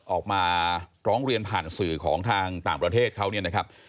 ออกมาร้องเรียนผ่านสื่อของทางต่างประเทศเขาเนี่ยนะครับ